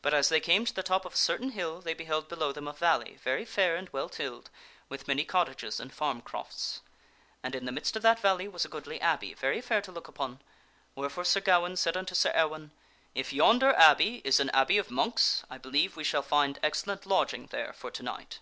But as they came to the top of a certain hill, they beheld below them a valley, very fair and well tilled, with many cottages and farm crofts. And in the midst of that valley was a goodly abbey very fair to look upon ; wherefore Sir Gawaine said unto Sir Ewaine :" If yonder abbey is an abbey of monks, I believe we shall find excellent lodging there for to night."